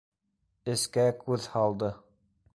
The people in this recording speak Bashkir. Эскә күҙ һалды.